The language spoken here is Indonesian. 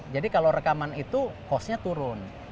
jadi kalau rekaman itu costnya turun